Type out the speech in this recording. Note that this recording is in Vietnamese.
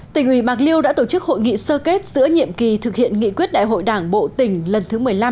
tỉnh ủy bạc liêu đã tổ chức hội nghị sơ kết giữa nhiệm kỳ thực hiện nghị quyết đại hội đảng bộ tỉnh lần thứ một mươi năm